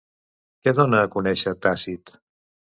Què dona a conèixer, Tàcit?